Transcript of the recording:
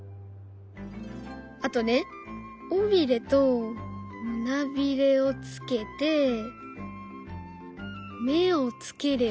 あとね尾びれと胸びれをつけて目をつければ。